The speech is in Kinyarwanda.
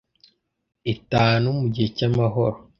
itanu mu gihe cy amahoro